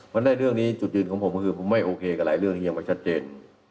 เพราะฉะนั้นในเรื่องนี้จุดยืนของผมคือผมไม่โอเคกับหลายเรื่องที่ยังไม่ชัดเจน